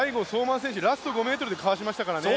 最後相馬選手、ラスト５ｍでかわしましたから。